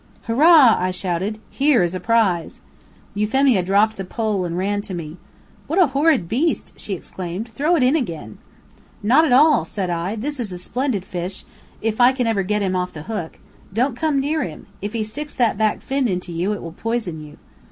"Hurrah!" I shouted, "here is a prize." Euphemia dropped the pole, and ran to me. "What a horrid beast!" she exclaimed. "Throw it in again." "Not at all!" said I. "This is a splendid fish, if I can ever get him off the hook. Don't come near him! If he sticks that back fin into you, it will poison you."